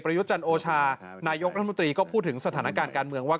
จันโอชานายกรัฐมนตรีก็พูดถึงสถานการณ์การเมืองว่า